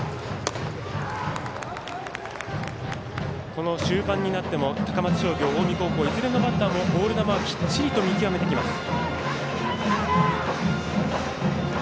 この終盤になっても高松商業、近江高校いずれのバッターもボール球をきっちりと見極めてきます。